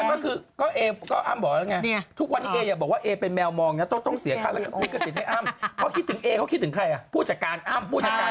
โอ้เน็ตก็ก็เอเอมบอกละไงทุกวันนี้เออย่าบอกว่าเอเป็นแมวมองนะต้องกระสิทธิ์คลาลิกสิทธิ์ให้อั้มเขาคิดถึงอะไรครับพูดจากการอั้ม